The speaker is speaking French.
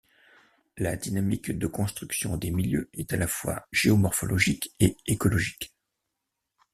La dynamique de construction des milieux est à la fois géomorphologique et écologique.